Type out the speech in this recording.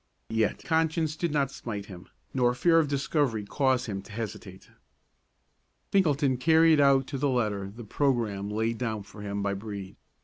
Yet conscience did not smite him, nor fear of discovery cause him to hesitate. Finkelton carried out to the letter the programme laid down for him by Brede.